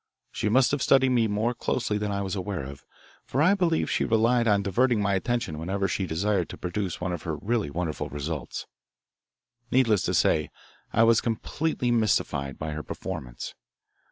She must have studied me more closely than I was aware of, for I believe she relied on diverting my attention whenever she desired to produce one of her really wonderful results. Needless to say, I was completely mystified by her performance.